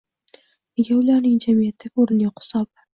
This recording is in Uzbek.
nega ularning jamiyatdagi o‘rni yo‘q hisobi?